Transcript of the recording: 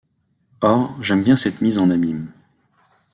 Or j’aime bien cette mise en abyme.